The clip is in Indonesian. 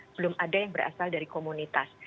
belum ada yang berasal dari komunitas